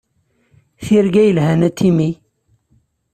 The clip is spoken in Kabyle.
Tirga yelhan a Timmy.